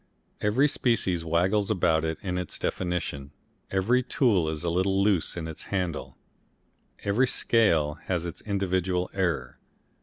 Every species waggles about in its definition, every tool is a little loose in its handle, every scale has its individual error.